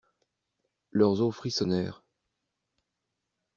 Leurs os frissonnèrent.